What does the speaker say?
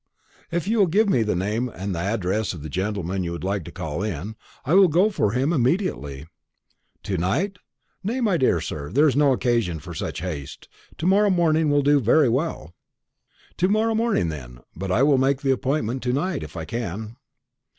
"If you will give me the name and address of the gentleman you would like to call in, I will go for him immediately." "To night? Nay, my dear sir, there is no occasion for such haste; to morrow morning will do very well." "To morrow morning, then; but I will make the appointment to night, if I can."